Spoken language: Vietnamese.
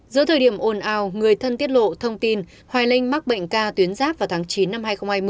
giữa thời điểm ồn ào người thân tiết lộ thông tin hoài linh mắc bệnh ca tuyến giáp vào tháng chín năm hai nghìn hai mươi